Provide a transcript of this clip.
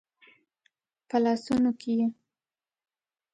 په لاسونو کې یې